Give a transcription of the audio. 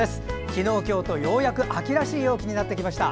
昨日、今日とようやく秋らしい陽気になってきました。